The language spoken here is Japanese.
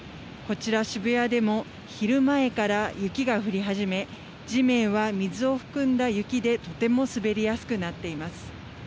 こちら渋谷でも、昼前から雪が降り始め、地面は水を含んだ雪でとても滑りやすくなっています。